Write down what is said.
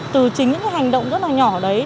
từ chính những cái hành động rất là nhỏ đấy